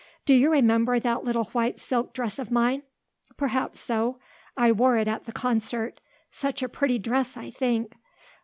Do you remember that little white silk dress of mine? perhaps so; I wore it at the concert, such a pretty dress, I think.